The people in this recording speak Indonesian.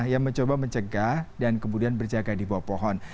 yang mencoba mencegah dan kemudian berjaga di bawah pohon